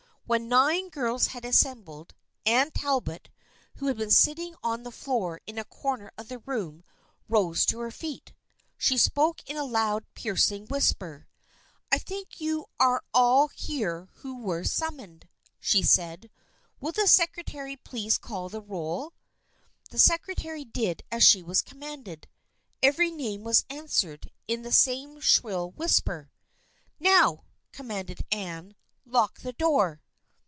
When nine girls had assembled, Anne Talbot, who had been sitting on the floor in a corner of the room, rose to her feet. She spoke in a loud piercing whisper. " I think you are all here who were sum moned, " she said. " Will the secretary please call the roll?" The secretary did as she was commanded. Every name was answered, in the same shrill whisper. " Now," commanded Anne, " lock the door."